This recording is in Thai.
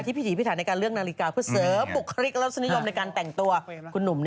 เอาไปกันมาแล้วอย่างว่าครับท่านผู้ชม